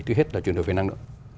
trước hết là chuyển đổi về năng lượng